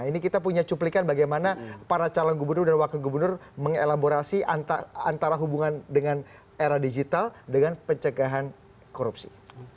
ini kita punya cuplikan bagaimana para calon gubernur dan wakil gubernur mengelaborasi antara hubungan dengan era digital dengan pencegahan korupsi